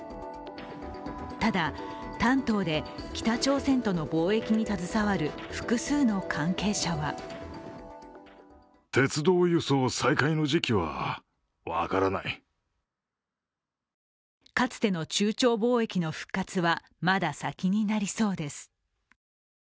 ただ、丹東で北朝鮮との貿易に携わる複数の関係者はかつての中朝貿易の復活はまだ先になりそうです。